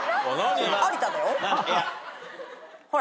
ほら。